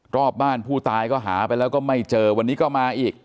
รอบบ้านผู้ตายก็หาไปแล้วก็ไม่เจอวันนี้ก็มาอีก